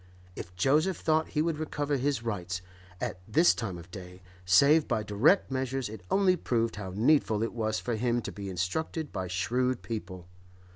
If Joseph thought he would recover his rights, at this time of day, save by direct measures, it only proved how needful it was for him to be instructed by shrewd people.